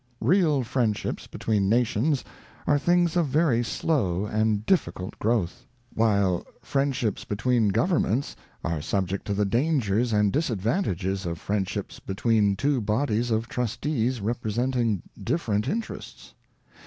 Real friendships between nations are things of very slow and difficult growth; while friendships between govern ments are subject to the dangers and disadvantages of friendships between two bodies of trustees representing different interests.